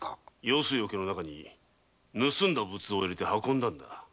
用水桶の中に盗んだ仏像を入れて運んだのだ。